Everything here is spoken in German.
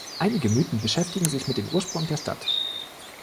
Einige Mythen beschäftigen sich mit dem Ursprung der Stadt.